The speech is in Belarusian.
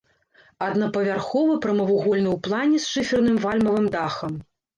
Аднапавярховы, прамавугольны ў плане з шыферным вальмавым дахам.